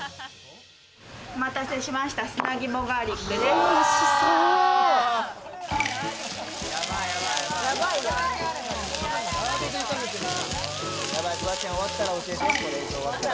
お待たせしました、砂肝ガーリックです。